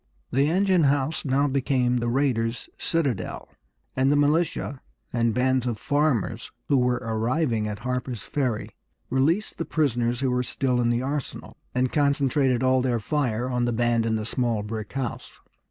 The engine house now became the raiders' citadel, and the militia and bands of farmers who were arriving at Harper's Ferry released the prisoners who were still in the arsenal, and concentrated all their fire on the band in the small brick house.